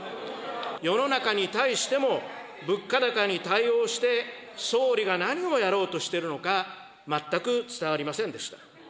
世の中に対しても、物価高に対応して総理が何をやろうとしているのか、全く伝わりませんでした。